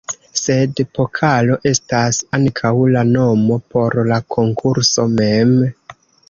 Sed "pokalo" estas ankaŭ la nomo por la konkurso mem.